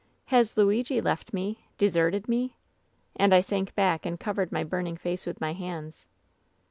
'Has Luigi left me — <leserted me?' And I sank back and covered my burning face with my hands.